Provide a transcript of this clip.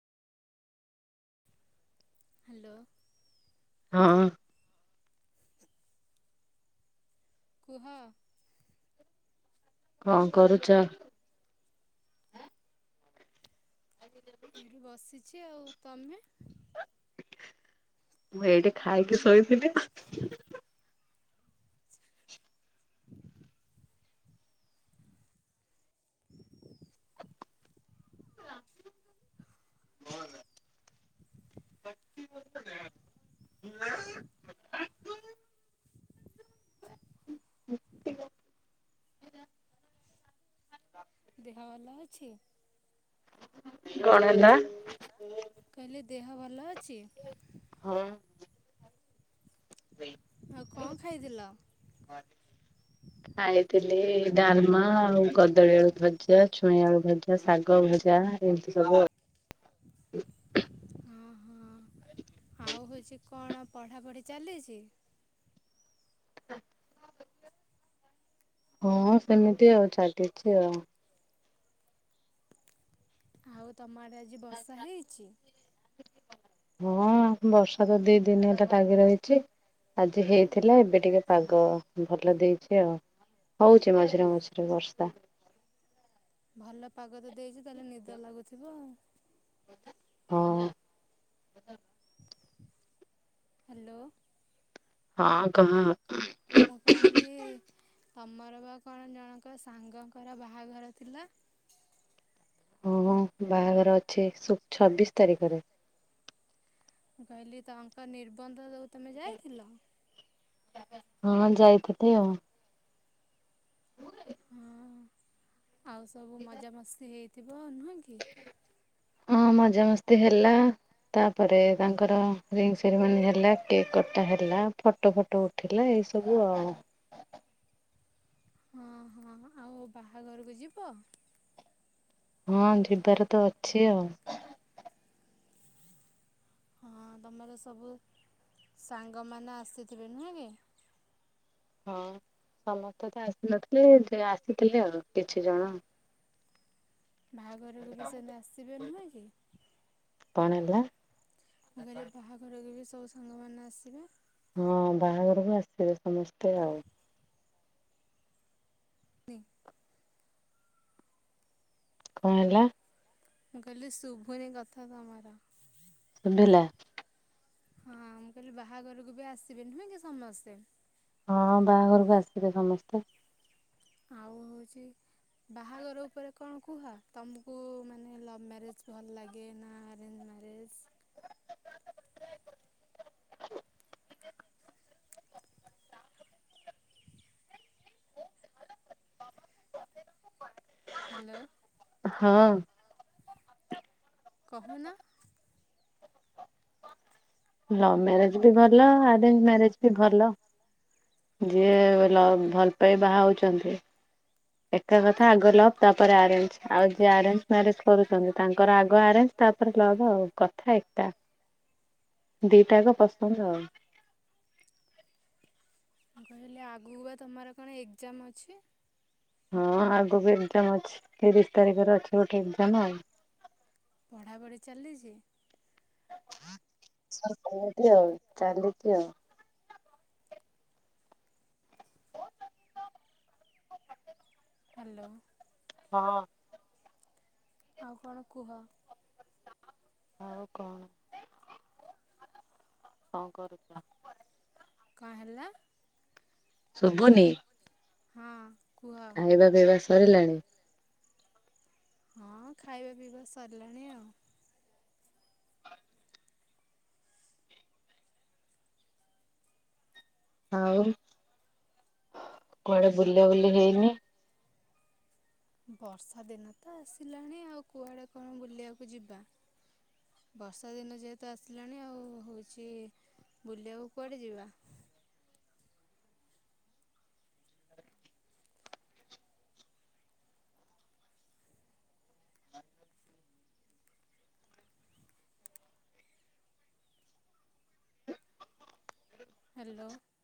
Hello. ହଁ। କୁହ। କଣ କରୁଛ। ବସିଛି ଆଉ ତମେ? ମୁଁ ଏଇଠି ଖାଇକି ଶୋଇବି ଦେଖ। [inaudible] [inaudible] [inaudible] ଦେହ ଭଲ ଅଛି? କଣ ହେଲା? କହିଲି ଦେହ ଭଲ ଅଛି? ହଁ। ଆଉ କଣ ଖାଇଥିଲ? [unintelligible] [inaudible] ଖାଇଥିଲି ଡାଲମା ଆଉ କଦଳୀ ଆଳୁ ଭଜା ଛୁଇଁ ଆଳୁ ଭଜା ଶାଗ ଭଜା। ଏମିତି ସବୁ ଆଉ। ଓ ହୋ। ଆଉ ହଉଚି କଣ ପଢ଼ାପଢ଼ି ଚାଲିଛି? [inaudible] ହଁ ସେମିତି ଆଉ ଚାଲିଚି ଆଉ। ଆଉ ତମ ଆଡେ ଆଜି ବର୍ଷା ହେଇଚି? ହଁ ବର୍ଷା ଦି ଦିନି ହେଲା ଲାଗି ରହିଛି। ଆଜି ହେଇଥିଲା ଏବେ ଟିକେ ପାଗ ଭଲ ଦେଇଛି ଆଉ। ହେଉଛି ମଝିରେ ମଝିରେ ବର୍ଷା। ଭଲ ପାଗ ତ ଦେଇଛି ତାହେଲେ ନିଦ ଲାଗୁଥିବ ଆଉ? ହଁ। ହ୍ୟାଲୋ। ହଁ କହ? ମୁଁ କହିଲି ତମର ବା କଣ ଜଣଙ୍କ ସାଙ୍ଗଙ୍କର ବାହାଘର ଥିଲା? ହଁ ବାହାଘର ଅଛି ଛ ଛବିଶି ତାରିଖରେ। ମୁଁ କହିଲି ତାଙ୍କ ନିର୍ବନ୍ଧ ତମେ ଯାଇଥିଲ? ହଁ ଯାଇଥିଲି ଆଉ। [inaudible] ହଁ ଆଉ ସବୁ ମଜାମସ୍ତି ହେଇଥିବ ନୁହେଁ କି? ହଁ ମଜା ମସ୍ତି ହେଲା। ତାପରେ ତାଙ୍କର ରିଙ୍ଗ ସେରିମନି ହେଲା କେକ୍ କଟା ହେଲା। ଫଟୋ ଫଟୋ ଉଠିଲା ଏଇ ସବୁ ଆଉ। ହଁ ହଁ ଆଉ ବାହାଘରକୁ ଯିବ? ହଁ ଯିବାର ତ ଅଛି ଆଉ। ହଁ ତମର ସବୁ ସାଙ୍ଗମାନେ ଆସିଥିବେ ନୁହଁ କି? ହଁ ସମସ୍ତେ ତ ଆସିନଥିଲେ ଆସିଥିଲେ ଆଉ କିଛି ଜଣ। [inaudible] ବାହାଘରକୁ ବି [unintelligible] ଆସିବେ ନୁହେଁ କି। କଣ ହେଲା? ମୁଁ କହିଲି ବାହାଘରକୁ ବି ସବୁ ସାଙ୍ଗମାନେ ଆସିବେ। ହଁ ବାହାଘରକୁ ଆସିବେ ସମସ୍ତେ ଆଉ। ତି କଣ ହେଲା? ମୁଁ କହିଲି ଶୁଭୁନି କଥା ତମର। ଶୁଭିଲା। ହଁ ମୁଁ କହିଲି ବାହାଘରକୁ ବି ଆସିବେ ନୁହେଁ କି ସମସ୍ତେ? ହଁ ବାହାଘରକୁ ଆସିଥିଲେ ସମସ୍ତେ। ଆଉ ହଉଛି ବାହାଘର ଉପରେ କଣ କୁହ ତମକୁ ମାନେ ଲଭ୍ ମ୍ୟାରେଜ ଭଲ ଲାଗେ ନା ଆରେଞ୍ଜ ମ୍ୟାରେଜ ମ୍ୟାରେଜ ହ୍ୟାଲୋ। ହଁ। କହୁନ। ଲଭ ମ୍ୟାରେଜ ବି ଭଲ ଆରେଞ୍ଜ ମ୍ୟାରେଜ ବି ଭଲ। ଯିଏ ଲଭ ଭଲ ପାଇ ବାହା ହଉଛନ୍ତି ଏକା କଥା ଆଗ ଲଭ ତାପରେ ଆରେଞ୍ଜ ଆଉ ଯିଏ ଆରେଞ୍ଜ ମ୍ୟାରେଜ କରୁଛନ୍ତି ତାଙ୍କର ଆଗ ଆରେଞ୍ଜ ତାପରେ ଲଭ ଆଉ କଥା ଏକା। ଦିଇଟା ଆଙ୍କ ପସନ୍ଦ ଆଉ। ମୁଁ କହିଲି ଆଗକୁ ବା ତମର କଣ ଏକଜାମ୍ ଅଛି? ହଁ ଆଗକୁ ଏକ୍ଜାମ ଅଛି ତିରିଶ ତାରିଖରେ ଅଛି ଗୋଟେ ଏଗଜାମ ଆଉ। ପଢ଼ାପଢ଼ି ଚାଲିଛି? ଆଉ ସେମିତି ଚାଲିଛି ଆଉ। ହ୍ୟାଲୋ। ହଁ। ଆଉ କଣ କୁହ? ଆଉ କଣ। କଣ କରୁଛ? କଣ ହେଲା? ଶୁଭୁନି? ହଁ। କୁହ ଖାଇବା ପିଇବା ସରିଲାଣି? ହଁ ଖାଇବା ପିଇବା ସରିଲାଣି ଆଉ। ଆଉ କୁଆଡେ ବୁଲା ବୁଲି ହେଇନି? ବର୍ଷା ଦିନ ତ ଆସିଲାଣି ଆଉ କୁଆଡେ କଣ ବୁଲିବାକୁ ଯିବା। ବର୍ଷା ଦିନ ଯେହେତୁ ଆସିଲାଣି ଆଉ ହଉଛି ବୁଲିବାକୁ କୁଆଡ଼େ ଯିବା। ହ୍ୟାଲୋ।